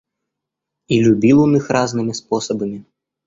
И любил он их разными способами.